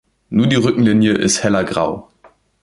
Nur die Rückenlinie ist heller grau.